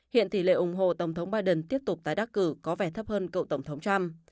hiện tỷ lệ ủng hộ tổng thống biden tiếp tục tái đắc cử có vẻ thấp hơn cựu tổng thống trump